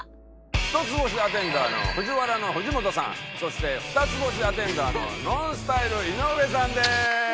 １つ星アテンダーのＦＵＪＩＷＡＲＡの藤本さんそして２つ星アテンダーのＮＯＮＳＴＹＬＥ井上さんです！